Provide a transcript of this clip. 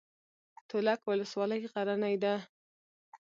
تولک ولسوالۍ غرنۍ ده؟